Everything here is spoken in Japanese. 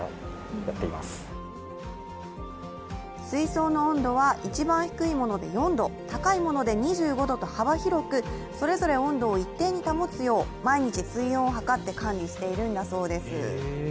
水槽の温度は一番低いもので４度高いもので２５度と幅広く、それぞれ温度を一定に保つよう、毎日水温を測って管理しているんだそうです。